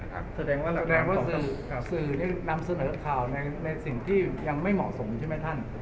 แสดงว่าแสดงว่าสื่อนำเสนอข่าวในสิ่งที่ยังไม่เหมาะสมใช่ไหมท่าน